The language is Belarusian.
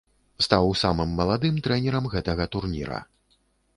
Стаў самым маладым трэнерам гэтага турніра.